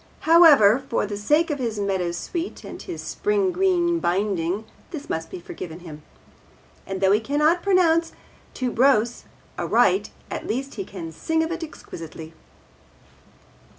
However, for the sake of his meadowsweet and his spring green binding this must be forgiven him. And though he cannot pronounce 'tuberose' aright, at least he can sing of it exquisitely.